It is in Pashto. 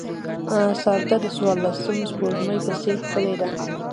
سارده د څوارلسم سپوږمۍ په څېر ښکلې ده.